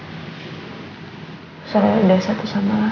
secara dari satu sama lain